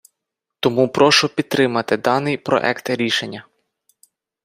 Тому прошу підтримати даний проект рішення.